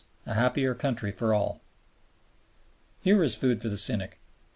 A happier country for all." Here is food for the cynic.